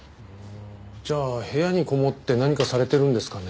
じゃあ部屋にこもって何かされてるんですかね？